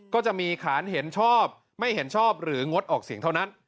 ก็จะมีขานเห็นชอบไม่เห็นชอบหรืองดออกเสียงเท่านั้น